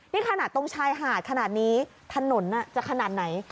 นี่ขนาดตรงชายหาดขนาดนี้ถนนจะขนาดไหน